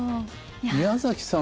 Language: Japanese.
宮崎さん